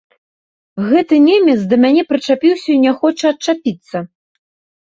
Гэты немец да мяне прычапіўся і не хоча адчапіцца.